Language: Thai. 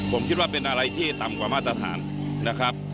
ผมคิดว่าเป็นอะไรที่ต่ำกว่ามาตรฐานนะครับ